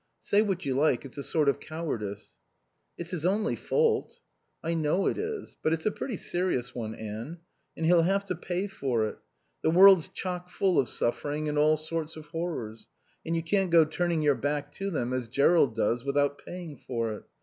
Say what you like, it's a sort of cowardice." "It's his only fault." "I know it is. But it's a pretty serious one, Anne. And he'll have to pay for it. The world's chock full of suffering and all sorts of horrors, and you can't go turning your back to them as Jerrold does without paying for it.